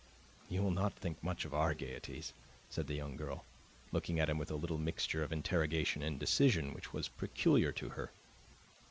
"You will not think much of our gaieties," said the young girl, looking at him with a little mixture of interrogation and decision which was peculiar to her.